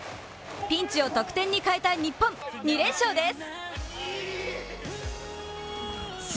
ピンチを得点に変えた日本、２連勝です！